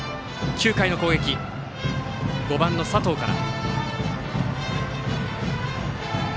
９回の攻撃は５番の佐藤から。